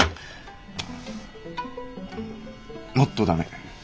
もっと駄目。